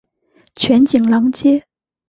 全景廊街。